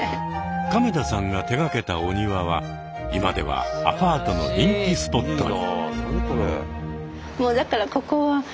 亀田さんが手がけたお庭は今ではアパートの人気スポットに。